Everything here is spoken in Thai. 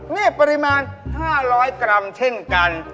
นี่ปริมาณ๕๐๐กรัมเช่นกัน